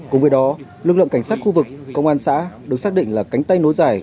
cùng với đó lực lượng cảnh sát khu vực công an xã được xác định là cánh tay nối dài